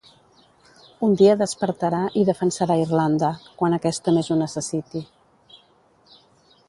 Un dia despertarà i defensarà Irlanda, quan aquesta més ho necessiti.